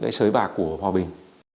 cái sới bạc của hòa bình